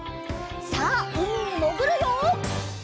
さあうみにもぐるよ！